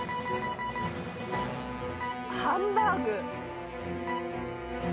ハンバーグ。